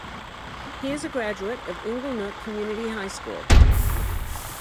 He is a graduate of Inglenook Community High School.